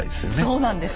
そうなんです。